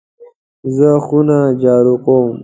زه خونه جارو کوم .